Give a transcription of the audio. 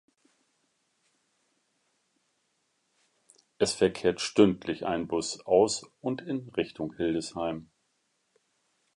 Es verkehrt stündlich ein Bus aus und in Richtung Hildesheim.